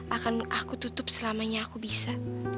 aku akan tutup selamanya aku bisa